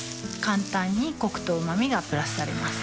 簡単にコクとうま味がプラスされます